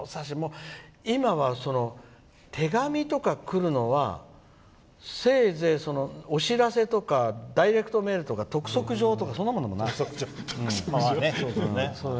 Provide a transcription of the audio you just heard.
今は手紙とか来るのはせいぜいお知らせとかダイレクトメールとか督促状とかそんなもんだもんね。